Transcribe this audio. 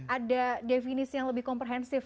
ada definisi yang lebih komprehensif